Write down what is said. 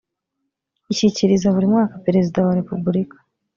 ishyikiriza buri mwaka perezida wa repubulika